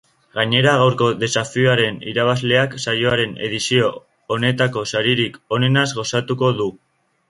Gainera, gaurko desafioaren irabazleak saioaren edizio honetako saririk onenaz gozatuko du.